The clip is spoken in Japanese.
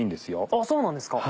あっそうなんですか。